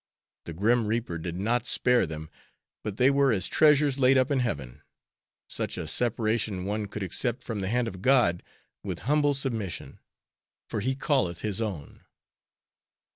The grim reaper did not spare them, but they were as "treasures laid up in heaven." Such a separation one could accept from the hand of God, with humble submission, "for He calleth His own!"